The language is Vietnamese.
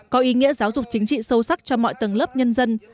có ý nghĩa giáo dục chính trị sâu sắc cho mọi tầng lớp nhân dân